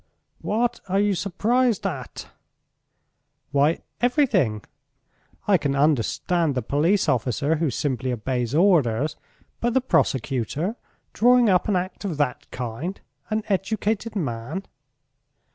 "What are you surprised at?" "Why, everything. I can understand the police officer, who simply obeys orders, but the prosecutor drawing up an act of that kind. An educated man